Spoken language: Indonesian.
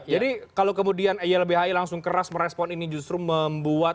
jadi kalau kemudian ylbi langsung keras merespon ini justru membuat